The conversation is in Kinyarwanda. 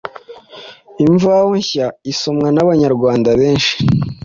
Imvaho Nshya isomwa n’Abanyarwanda benshi.